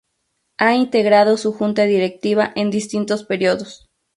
Ha integrado su Junta Directiva en distintos períodos.